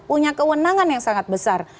punya kewenangan yang sangat besar